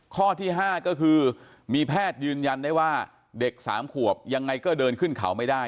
ข้อที่๕ก็คือมีแพทย์ยืนยันได้ว่าเด็ก๓ขวบยังไงก็เดินขึ้นเขาไม่ได้